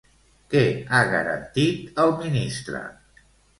Què ha garantit el ministre?